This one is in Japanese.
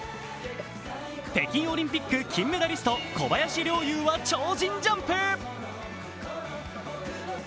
北京オリンピック金メダリスト、小林陵侑は超人ジャンプ。